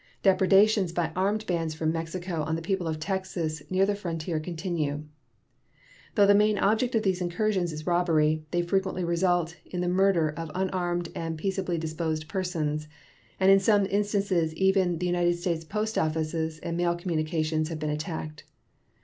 Depredations by armed bands from Mexico on the people of Texas near the frontier continue. Though the main object of these incursions is robbery, they frequently result in the murder of unarmed and peaceably disposed persons, and in some instances even the United States post offices and mail communications have been attacked.